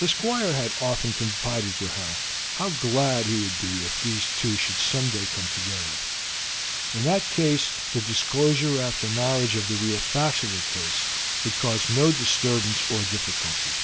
The Squire had often confided to her how glad he would be if these two should some day come together. In that case the disclosure after marriage of the real facts of the case would cause no disturbance or difficulty.